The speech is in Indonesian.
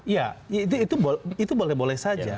ya itu boleh boleh saja